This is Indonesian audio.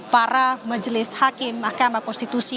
para majelis hakim mahkamah konstitusi